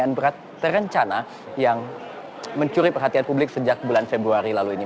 yang terencana yang mencuri perhatian publik sejak bulan februari lalu ini